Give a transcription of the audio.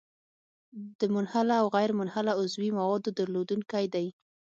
د منحله او غیرمنحله عضوي موادو درلودونکی دی.